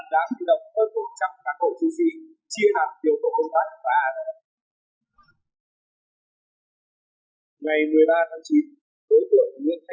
các tối tượng tháo các bóng máy lấy ma túy